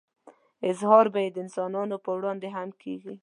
اظهار به يې د انسانانو په وړاندې هم کېږي.